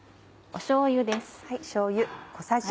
しょうゆです。